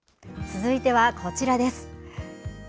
続いてはこちらです。